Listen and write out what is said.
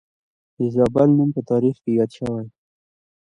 د زابل نوم په تاریخ کې یاد شوی